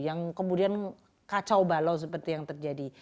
yang kemudian kacau balau seperti yang terjadi